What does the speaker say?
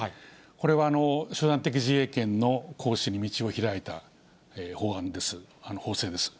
これは集団的自衛権の行使に道を開いた法案です、法制です。